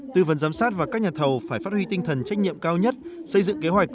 tư vấn giám sát và các nhà thầu phải phát huy tinh thần trách nhiệm cao nhất xây dựng kế hoạch